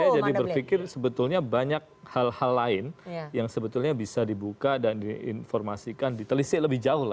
saya jadi berpikir sebetulnya banyak hal hal lain yang sebetulnya bisa dibuka dan diinformasikan ditelisik lebih jauh